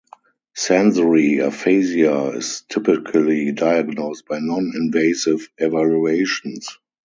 Sensory aphasia is typically diagnosed by non-invasive evaluations.